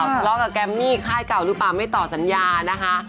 ทะเลาะกับแกมมี่ค่ายเก่าหรือเปล่าไม่ต่อสัญญานะคะ